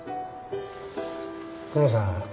久能さん